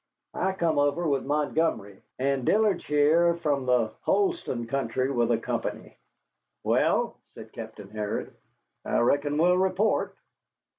I come over with Montgomery, and Dillard's here from the Holston country with a company." "Well," said Captain Harrod, "I reckon we'll report."